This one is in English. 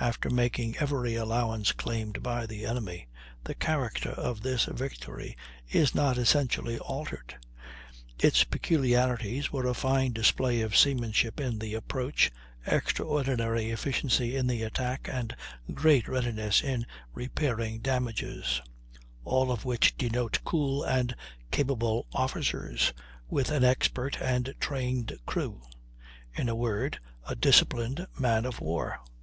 "After making every allowance claimed by the enemy, the character of this victory is not essentially altered. Its peculiarities were a fine display of seamanship in the approach, extraordinary efficiency in the attack, and great readiness in repairing damages; all of which denote cool and capable officers, with an expert and trained crew; in a word, a disciplined man of war."